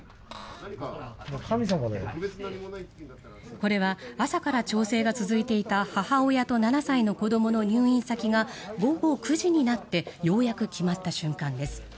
これは朝から調整が続いていた母親と７歳の子どもの入院先が午後９時になってようやく決まった瞬間です。